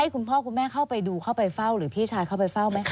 คุณพ่อคุณแม่เข้าไปดูเข้าไปเฝ้าหรือพี่ชายเข้าไปเฝ้าไหมค